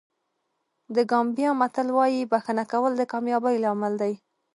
د ګامبیا متل وایي بښنه کول د کامیابۍ لامل دی.